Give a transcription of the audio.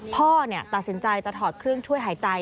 พ่อตัดสินใจจะถอดเครื่องช่วยหายใจ